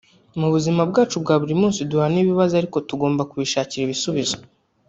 Mu buzima bwacu bwa buri munsi duhura n’ibibazo ariko tugomba kubishakira ibisubizo